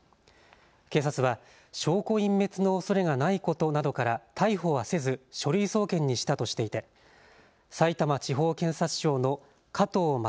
警察は証拠隠滅のおそれがないことなどから逮捕はせず書類送検にしたとしていてさいたま地方検察庁の加藤匡